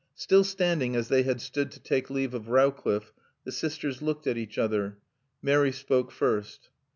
Still standing as they had stood to take leave of Rowcliffe, the sisters looked at each other. Mary spoke first.